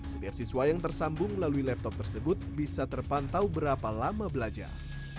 setiap siswa yang tersambung melalui laptop tersebut bisa terpantau berapa lama belajar